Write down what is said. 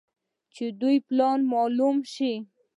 چې د دوى پلان مالوم سي.